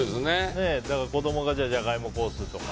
子供がジャガイモコースとか。